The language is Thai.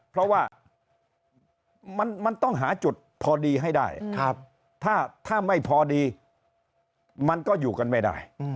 เพราะว่ามันต้องหาจุดพอดีให้ได้ถ้าไม่พอดีมันก็อยู่กันไม่ได้